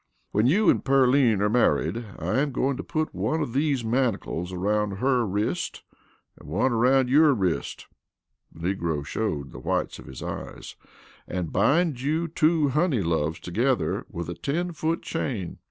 When you and Pearline are married, I am going to put one of these manacles around her wrist and one around your wrist" the negro showed the whites of his eyes "and bind you two honey loves together with a ten foot chain."